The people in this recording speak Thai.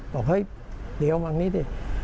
บอกเฮ้ยเดี๋ยวบอกวงหน่อยดิ